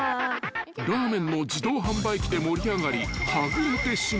［ラーメンの自動販売機で盛り上がり］